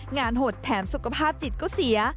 หดแถมสุขภาพจิตก็เสีย